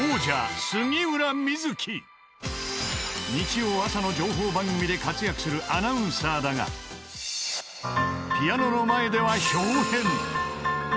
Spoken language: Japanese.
［日曜朝の情報番組で活躍するアナウンサーだがピアノの前では］